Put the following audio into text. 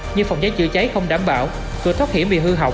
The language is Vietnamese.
như phòng giấy chữa cháy không đảm bảo tùa thất hiểm bị hư hỏng